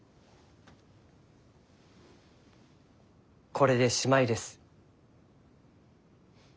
これでしまいです。